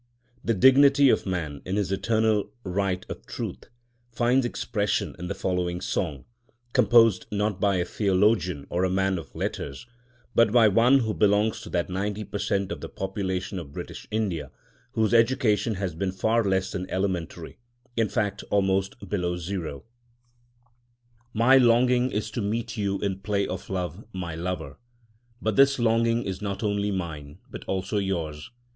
The dignity of man, in his eternal right of Truth, finds expression in the following song, composed, not by a theologian or a man of letters, but by one who belongs to that ninety per cent of the population of British India whose education has been far less than elementary, in fact almost below zero: My longing is to meet you in play of love, my Lover; But this longing is not only mine, but also yours.